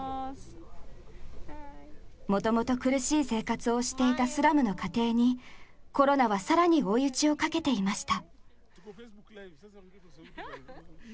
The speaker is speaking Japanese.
もともと苦しい生活をしていたスラムの家庭にコロナは更に追い打ちをかけていました。